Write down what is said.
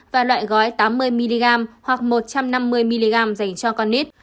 và loại gói tám mươi mg hoặc một trăm năm mươi mg dành cho con nit